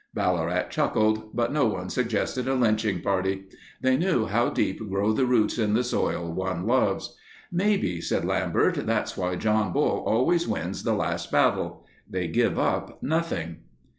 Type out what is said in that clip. Ballarat chuckled but no one suggested a lynching party. They knew how deep grow the roots in the soil one loves. "Maybe," said Lambert, "that's why John Bull always wins the last battle. They give up nothing."